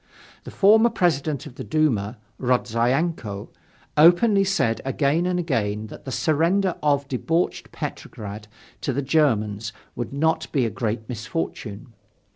The former President of the Duma, Rodzyanko, openly said again and again that the surrender of debauched Petrograd to the Germans would not be a great misfortune.